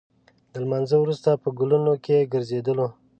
د لمانځه وروسته په ګلونو کې ګرځېدلو.